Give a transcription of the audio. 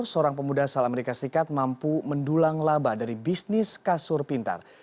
seorang pemuda asal amerika serikat mampu mendulang laba dari bisnis kasur pintar